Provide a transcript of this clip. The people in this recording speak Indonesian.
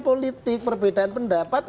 politik perbedaan pendapat